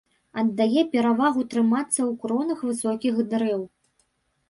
Аддае перавагу трымацца ў кронах высокіх дрэў.